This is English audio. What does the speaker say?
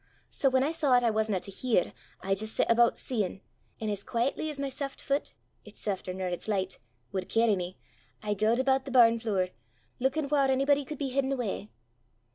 So, whan I saw 'at I wasna to hear, I jist set aboot seein', an' as quaietly as my saft fit it's safter nor it's licht wud carry me, I gaed aboot the barnflure, luikin' whaur onybody could be hidden awa'.